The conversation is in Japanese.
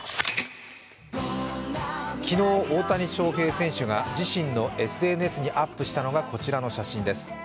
昨日、大谷翔平選手が自身のＳＮＳにアップしたのがこちらの写真です。